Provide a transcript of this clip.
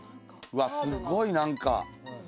うわすごい何か。